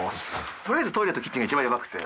取りあえずトイレとキッチンが一番ヤバくて。